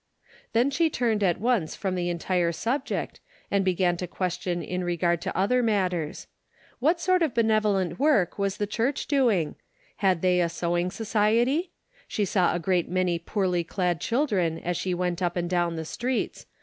Then she turned at once from the entire sub ject, and began to question in regard to other matters. What sort of benevolent work was the church doing ? Had they a sewing society ? She saw a great many poorly clad children as she went up and down the streets.